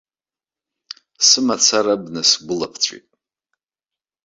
Сымацара абна сгәы ылаԥҵәеит.